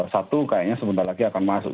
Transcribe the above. satu kayaknya sebentar lagi akan masuk